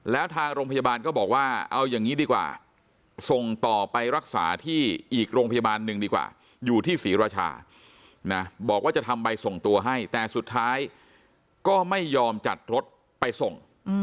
แล้วทางโรงพยาบาลก็บอกว่าเอาอย่างนี้ดีกว่าส่งต่อไปรักษาที่อีกโรงพยาบาลหนึ่งดีกว่าอยู่ที่ศรีราชานะบอกว่าจะทำใบส่งตัวให้แต่สุดท้ายก็ไม่ยอมจัดรถไปส่ง